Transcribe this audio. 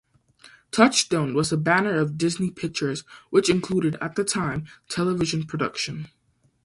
Touchstone was a banner of Disney Pictures which included at the time television production.